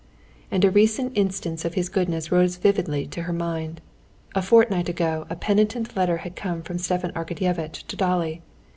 And a recent instance of his goodness rose vividly to her mind. A fortnight ago a penitent letter had come from Stepan Arkadyevitch to Dolly.